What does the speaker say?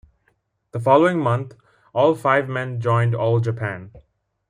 The following month, all five men joined All Japan.